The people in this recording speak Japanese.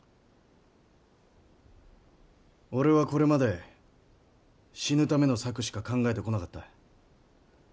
俺はこれまで死ぬための策しか考えてこなかった。